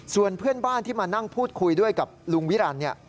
ส่วนเพื่อนบ้านที่มานั่งพูดคุยด้วยกับลุงวิรันดิ์